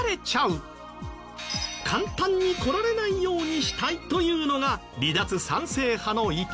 簡単に来られないようにしたいというのが離脱賛成派の意見。